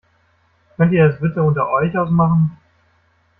Könnt ihr das bitte unter euch ausmachen?